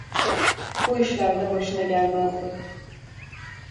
Bu işler de başına gelmezdi.